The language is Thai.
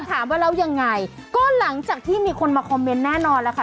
ถามว่าแล้วยังไงก็หลังจากที่มีคนมาคอมเมนต์แน่นอนแล้วค่ะ